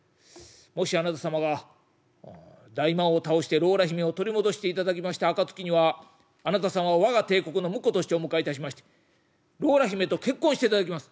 「もしあなた様が大魔王を倒してローラ姫を取り戻していただきました暁にはあなた様を我が帝国の婿としてお迎えいたしましてローラ姫と結婚していただきます」。